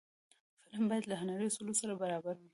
فلم باید له هنري اصولو سره برابر وي